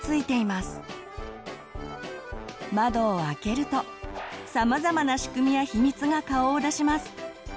まどを開けるとさまざまな仕組みや秘密が顔を出します。